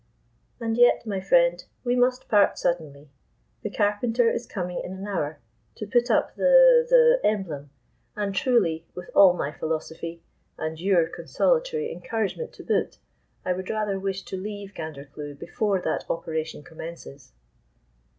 And yet, my friend, we must part suddenly; the carpenter is coming in an hour to put up the—the emblem; and truly, with all my philosophy, and your consolatory encouragement to boot, I would rather wish to leave Gandercleugh before that operation commences."